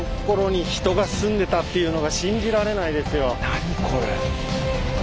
何これ。